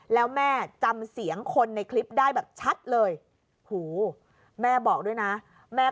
แล้วแม่จำเสียงคนในคลิปได้แบบชัดเลยหูแม่บอกด้วยนะแม่